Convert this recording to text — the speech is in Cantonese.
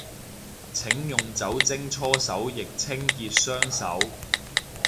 請用酒精搓手液清潔雙手